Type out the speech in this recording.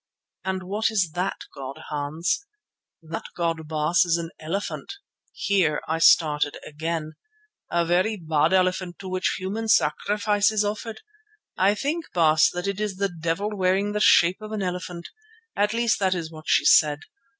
"And what is that god, Hans?" "That god, Baas, is an elephant" (here I started again), "a very bad elephant to which human sacrifice is offered. I think, Baas, that it is the devil wearing the shape of an elephant, at least that is what she said.